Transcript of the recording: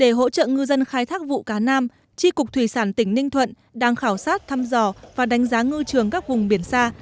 để hỗ trợ ngư dân khai thác vụ cá nam tri cục thủy sản tỉnh ninh thuận đang khảo sát thăm dò và đánh giá ngư trường các vùng biển xa